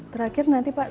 terakhir nanti pak